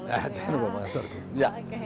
ya jangan lupa makan sorbong